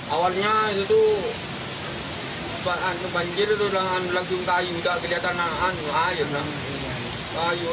awalnya itu banjir lagi udah kelihatan air